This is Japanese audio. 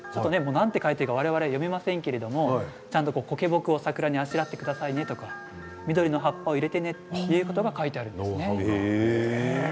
なんと書いてあるか我々読めませんけれどこけ木を桜にあしらってくださいねとか緑の葉っぱを入れてねというのが書いてあるんです。